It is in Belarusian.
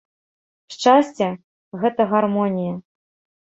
Шчасце – гэта гармонія